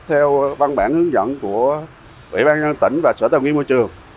theo văn bản hướng dẫn của ủy ban nhân tỉnh và sở tài nguyên môi trường